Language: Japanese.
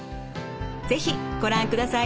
是非ご覧ください。